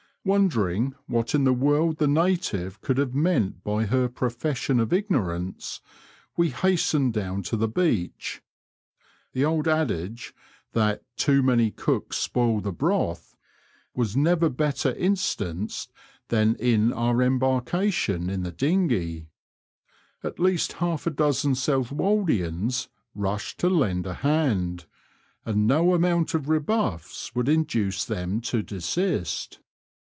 Wondering what in the world the native could have meant by her profession of ignorance, we hastened down to the beach. The old adage that too many cooks spoil the broth " was never better instanced than in our embarkation in the dinghey. At least half a dozen South woldians rushed to lend a hand, and no amount of rebuffs would induce them to desist.